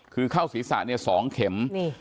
คือเข้าศีรษะ๒เข็ม